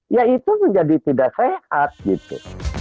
ya itu tuh jadi tidak sehat gitu